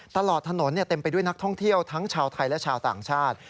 ตลอดถนนเต็มไปด้วยนักท่องเที่ยวทั้งชาวไทยและชาวต่างชาติ